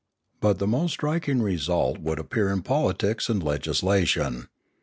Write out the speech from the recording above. But the most striking result would appear in politics and legislation.